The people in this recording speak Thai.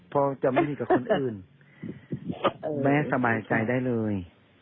พ่อจะไม่ดีกับคนอื่นแม่สบายใจได้เลย